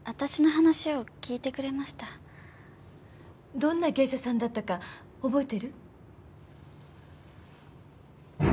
どんな芸者さんだったか覚えてる？